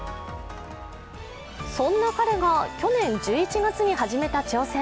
そんな彼が去年１１月に始めた挑戦。